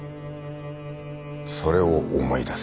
それを思い出せ。